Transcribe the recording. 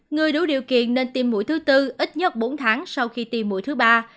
người đủ điều kiện nên tiêm mũi thứ tư ít nhất bốn tháng sau khi tiêm mũi thứ ba